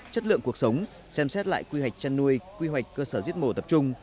chất lượng cuộc sống xem xét lại quy hoạch chăn nuôi quy hoạch cơ sở giết mổ tập trung